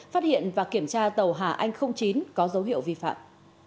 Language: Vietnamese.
phát hiện và kiểm tra tàu hà anh chín có dấu hiệu vi phạm